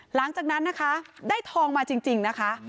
หลังจากนั้นนะคะได้ทองมาจริงนะคะ